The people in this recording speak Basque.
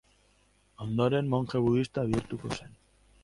Ondoren, monje budista bihurtuko zen.